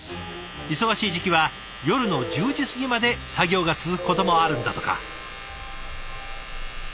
忙しい時期は夜の１０時過ぎまで作業が続くこともあるんだとか。